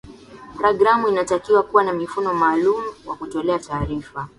pragramu inatakiwa kuwa na mifumo maalum wa kutolea taarifa